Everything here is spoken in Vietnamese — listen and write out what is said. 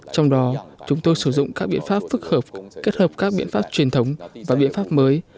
trong đó chúng tôi sử dụng các biện pháp phức hợp kết hợp các biện pháp truyền thống và biện pháp mới